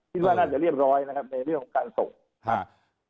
คิดว่าน่าจะเรียบร้อยในเรื่องของการส่ง